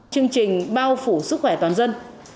chương trình bao phủ sức khỏe toàn dân